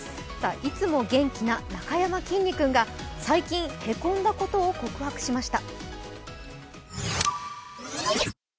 いつも元気ななかやまきんに君が最近へこんだことを告白しました。